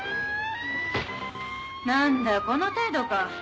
何だこの程度か？